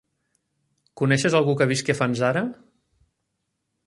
Coneixes algú que visqui a Fanzara?